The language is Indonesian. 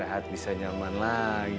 kapan ya bang